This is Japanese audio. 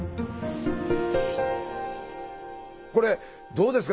これどうですか？